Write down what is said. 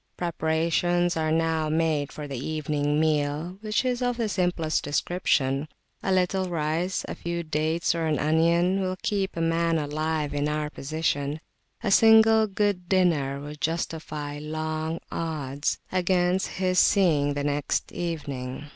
Preparations are now made for the evening meal, which is of the simplest description. A little rice, a few dates, or an onion, will keep a man alive in our position; a single "good dinner" would justify long odds against his seeing the next evening.